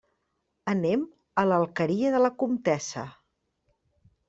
Anem a l'Alqueria de la Comtessa.